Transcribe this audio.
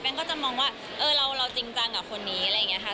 ก็จะมองว่าเราจริงจังกับคนนี้อะไรอย่างนี้ค่ะ